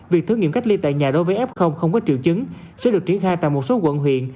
việc thử nghiệm cách ly tại nhà đối với f không có triệu chứng sẽ được triển khai tại một số quận huyện